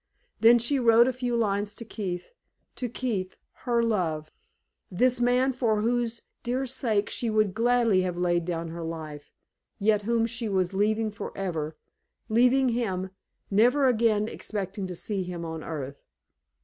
Then she wrote a few lines to Keith to Keith, her love this man for whose dear sake she would gladly have laid down her life, yet whom she was leaving forever leaving him, never again expecting to see him on earth.